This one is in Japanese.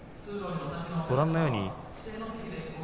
ご覧のように。